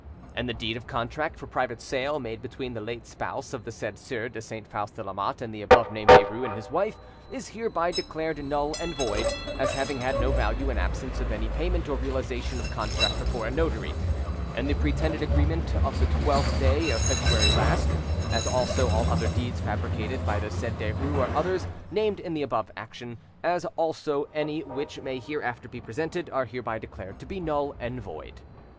And the deed of contract for private sale, made between the late spouse of the said Sieur de Saint Faust de Lamotte and the above named Derues and his wife, is hereby declared null and void, as having had no value in absence of any payment or realisation of contract before a notary; and the pretended agreement of the twelfth day of February last, as also all other deeds fabricated by the said Derues or others, named in the above action, as also any which may hereafter be presented, are hereby declared to be null and void.